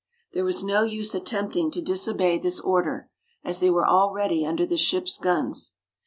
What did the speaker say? There was no use attempting to disobey this order, as they were already under the ship's guns.